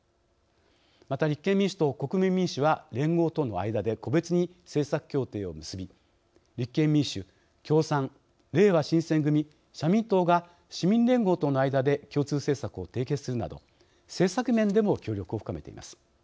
また立憲民主と国民民主は連合との間で個別に政策協定を結び立憲民主共産れいわ新選組社民党が市民連合との間で共通政策を締結するなど政策面でも協力を深めています。